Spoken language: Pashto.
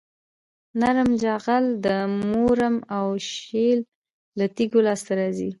نرم جغل د مورم او شیل له تیږو لاسته راځي